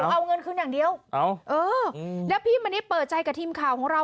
เอาเงินคืนอย่างเดียวเออแล้วพี่มณิชเปิดใจกับทีมข่าวของเรา